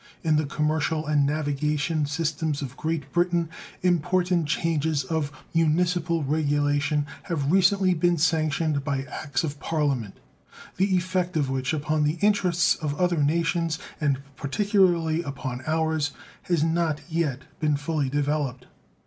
In the commercial and navigation system of Great Britain important changes of municipal regulation have recently been sanctioned by acts of Parliament, the effect of which upon the interests of other nations, and particularly upon ours, has not yet been fully developed.